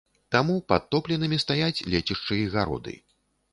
Таму падтопленымі стаяць лецішчы і гароды.